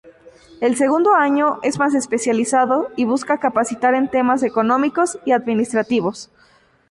El segundo año, es más especializado y busca capacitar en temas económicos y administrativos.